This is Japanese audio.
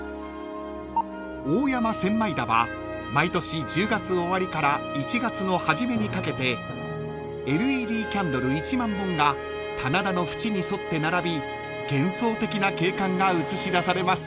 ［大山千枚田は毎年１０月終わりから１月の初めにかけてＬＥＤキャンドル１万本が棚田の縁に沿って並び幻想的な景観が映し出されます］